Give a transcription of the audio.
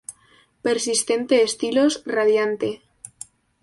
Persistente estilos, radiante.